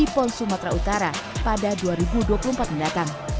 ponsum matra utara pada dua ribu dua puluh empat mendatang